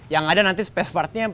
yang ada nanti spare partnya